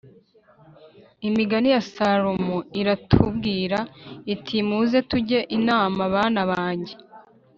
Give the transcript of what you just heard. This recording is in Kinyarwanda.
Imigani ya salomo iratubwira iti muze tujye inama bana banjye